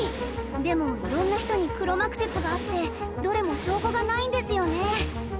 でも色んな人に黒幕説があってどれも証拠がないんですよね。